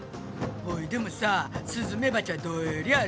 ほいでもさスズメバチはどえりゃあ